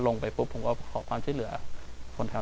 กลับมาที่สุดท้ายและกลับมาที่สุดท้าย